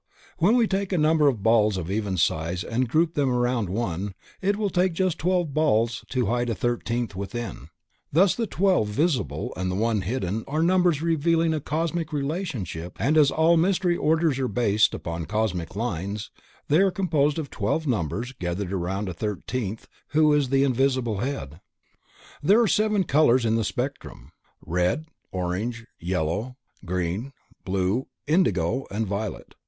When we take a number of balls of even size and group them around one, it will take just twelve balls to hide a thirteenth within. Thus the twelve visible and the one hidden are numbers revealing a cosmic relationship and as all Mystery Orders are based upon cosmic lines, they are composed of twelve members gathered around a thirteenth who is the invisible head. There are seven colors in the spectrum: red, orange, yellow, green, blue, indigo and violet.